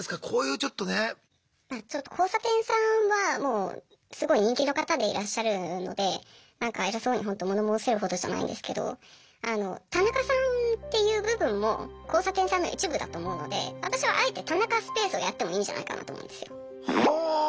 ちょっと交差点さんはもうすごい人気の方でいらっしゃるのでなんか偉そうにほんと物申せるほどじゃないんですけど田中さんっていう部分も交差点さんの一部だと思うので私はあえて田中スペースをやってもいいんじゃないかなと思うんですよ。